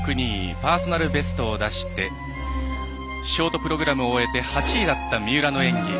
パーソナルベストを出してショートプログラムを終えて８位だった三浦の演技。